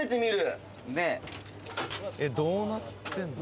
「えっどうなってんの？」